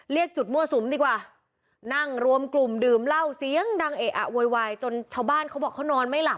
เรียกจุดมั่วสุมดีกว่านั่งรวมกลุ่มดื่มเหล้าเสียงดังเอะอะโวยวายจนชาวบ้านเขาบอกเขานอนไม่หลับ